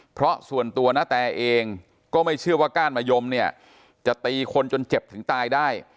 เพราะส่วนตัวนาแตเองก็ไม่เชื่อว่าก้านมะยมเนี่ยจะตีคนจนเจ็บถึงตายได้